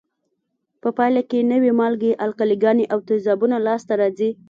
په پایله کې نوې مالګې، القلي ګانې او تیزابونه لاس ته راځي.